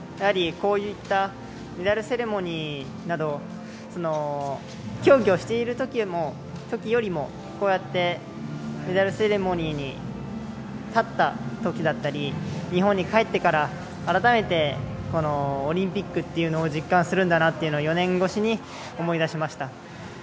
こういった、メダルセレモニーなど競技をしているときよりもこうやってメダルセレモニーに立ったときだったり日本に帰ってから、改めてオリンピックというのを実感するんだなっていうのを４年越しに思い出しました。